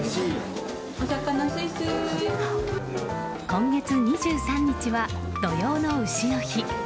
今月２３日は土用の丑の日。